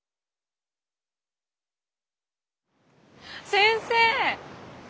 先生！